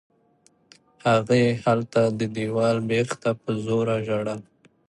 هغې هلته د دېوال بېخ ته په زوره ژړل.